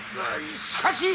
しかし。